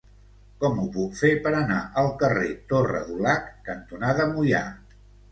Com ho puc fer per anar al carrer Torre Dulac cantonada Moià?